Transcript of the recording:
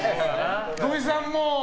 土井さんも。